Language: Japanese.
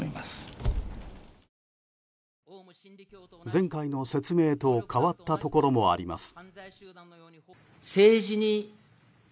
前回の説明と変わったところもあります。